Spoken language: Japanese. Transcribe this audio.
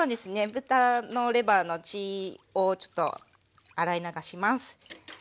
豚のレバーの血をちょっと洗い流します。